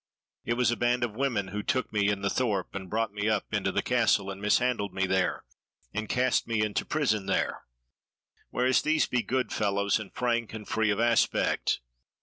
It was a band of women who took me in the thorp and brought me up into the Castle, and mishandled me there, and cast me into prison there; whereas these be good fellows, and frank and free of aspect.